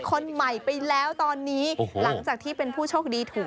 คนใหม่ไปแล้วตอนนี้หลังจากที่เป็นผู้โชคดีถูก